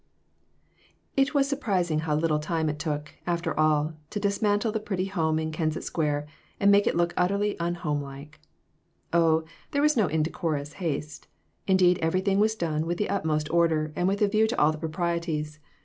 IT was surprising how little time it took, after all, to dismantle the pretty home in Kensett Square, and make it look utterly unhomelike ! Oh, there was no indecorous haste. Indeed, everything was done with the utmost order, and with a view to all the proprieties.